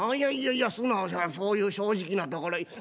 いやいや素直そういう正直なところ。